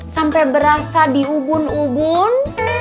sampai berasa diubun ubun